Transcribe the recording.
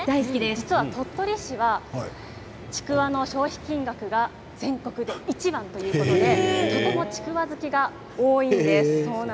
実は鳥取市はちくわの消費金額が全国でいちばんということでとてもちくわ好きが多いんです。